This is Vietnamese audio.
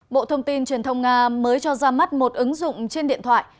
bộ thông tin truyền thông nga mới cho ra mắt một ứng dụng trên điện thoại